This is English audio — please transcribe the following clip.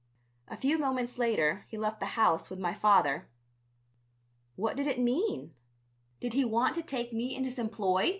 A few moments later he left the house with my father. What did it mean? Did he want to take me in his employ?